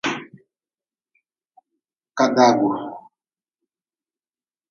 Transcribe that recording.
Kadagu.